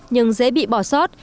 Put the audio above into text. nhưng dễ bị bỏ sót